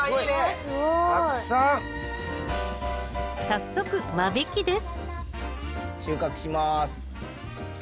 早速間引きです収穫します。